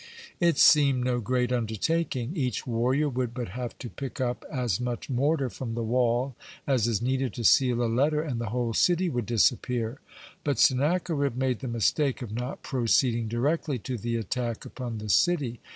It seemed no great undertaking. Each warrior would but have to pick up as much mortar from the wall as is needed to seal a letter and the whole city would disappear. But Sennacherib made the mistake of not proceeding directly to the attack upon the city.